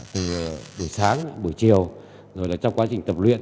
từ buổi sáng buổi chiều rồi là trong quá trình tập luyện